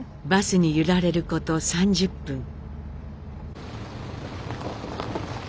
バスに揺られること３０分。